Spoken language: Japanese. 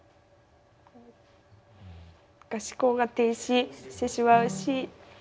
思考が停止してしまうし。